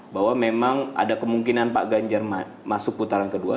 bahwa memang ada kemungkinan pak ganjar masuk putaran kedua